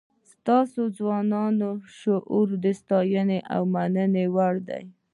ستاسو ځوان شعور د ستاینې او مننې وړ دی.